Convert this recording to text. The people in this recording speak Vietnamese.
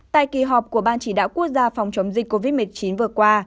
tại kỳ họp của ban chỉ đạo quốc gia phòng chống dịch covid một mươi chín vừa qua